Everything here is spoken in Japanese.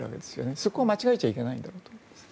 そこは間違えちゃいけないんだろうと思います。